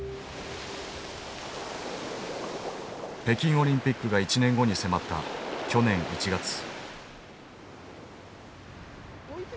北京オリンピックが１年後に迫った去年１月。